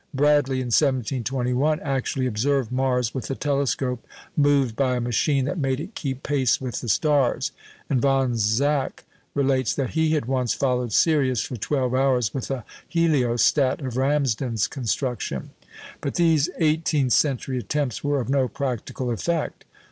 Bradley in 1721 actually observed Mars with a telescope "moved by a machine that made it keep pace with the stars;" and Von Zach relates that he had once followed Sirius for twelve hours with a "heliostat" of Ramsden's construction. But these eighteenth century attempts were of no practical effect.